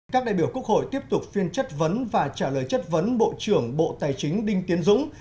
các đại biểu quốc hội tiếp tục phiên chất vấn và trả lời chất vấn bộ trưởng bộ tài chính đinh tiến dũng